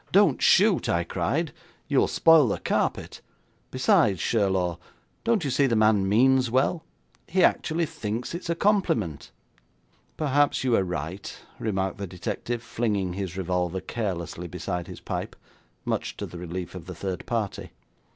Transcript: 'Don't shoot!' I cried. 'You will spoil the carpet. Besides, Sherlaw, don't you see the man means well. He actually thinks it is a compliment!' 'Perhaps you are right,' remarked the detective, flinging his revolver carelessly beside his pipe, much to the relief of the third party.